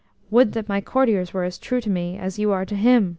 "Would that my courtiers were as true to me as you are to him!"